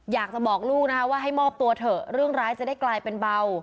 อยากจะบอกลูกนะคะว่าให้มอบตัวเถอะเรื่องร้ายจะได้กลายเป็นเบา